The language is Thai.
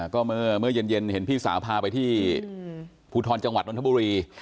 ก็เมื่อเย็นเห็นพี่สาวพาไปที่ภูทรจังหวัดนทบุรี